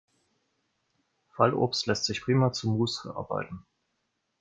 Fallobst lässt sich prima zu Muß verarbeiten.